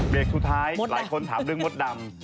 สุดท้ายหลายคนถามเรื่องมดดำ